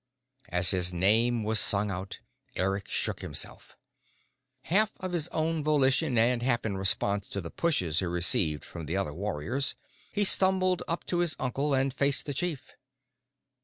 As his name was sung out, Eric shook himself. Half on his own volition and half in response to the pushes he received from the other warriors, he stumbled up to his uncle and faced the chief.